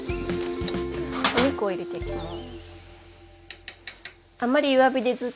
お肉を入れていきます。